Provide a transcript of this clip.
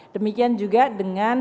demikian juga dengan